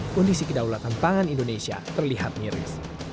kondisi kedaulatan pangan indonesia terlihat miris